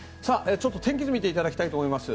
天気図を見ていただきたいと思います。